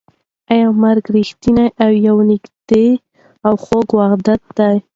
ایا مرګ رښتیا یوه نږدې او خوږه وعده ده؟